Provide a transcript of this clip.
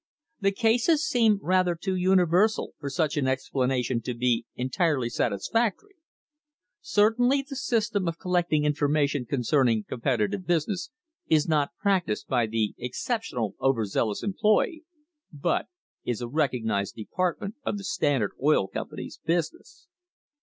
The cases seem rather too universal for such an explanation to be entirely satisfactory. Certainly the system of collecting infor mation concerning competitive business is not practised by the exceptional "over zealous" employee, but is a recognised department of the Standard Oil Company's business.